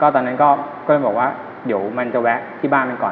ตอนนั้นก็เลยบอกว่าเดี๋ยวมันจะแวะที่บ้านมันก่อน